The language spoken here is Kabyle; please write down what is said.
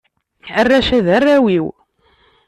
Arrac-a, d arraw-iw.